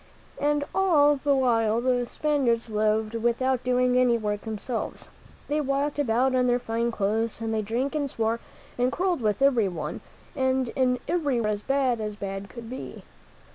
And all the while the Spaniards lived without doing any work themselves. They walked about in their fine clothes, and they drank and swore and quarreled with one another, and in every way were as bad as bad could be.